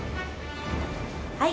はい。